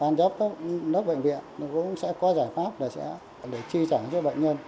an giáp các lớp bệnh viện cũng sẽ có giải pháp để chi trả cho bệnh nhân